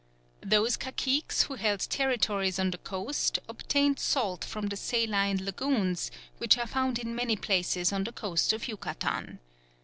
Those caciques who held territories on the coast obtained salt from the saline lagoons, which are found in many places on the coast of Yucatan.